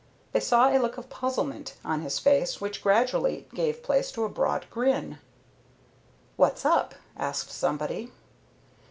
They saw a look of puzzlement on his face which gradually gave place to a broad grin. "What's up?" asked somebody.